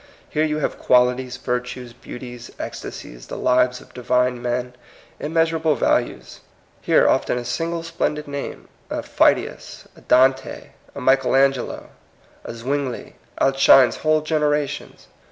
Here you have qualities, virtues, beauties, ecstasies, the lives of divine men, immeasurable values. Here often a single splendid name, a Phidias, a Dante, a Michel Angelo, a Zwingli, outshines whole generations.